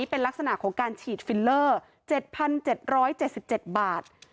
เป็นลักษณะของการฉีดฟิลเลอร์๗๗บาท